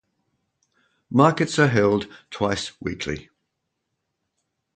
Markets are held twice weekly.